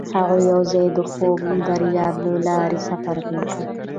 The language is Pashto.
هغوی یوځای د خوږ دریاب له لارې سفر پیل کړ.